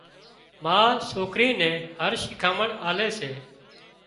ما سوڪري نين هر شيکانمڻ آلي سي